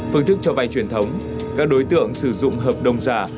phương thức cho vay truyền thống các đối tượng sử dụng hợp đồng giả